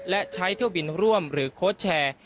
และใช้เที่ยวบินร่วมหรือโค้ชแชร์